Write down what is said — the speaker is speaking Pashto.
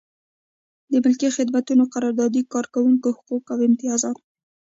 د ملکي خدمتونو قراردادي کارکوونکي حقوق او امتیازات.